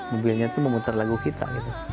mobilnya tuh memutar lagu kita gitu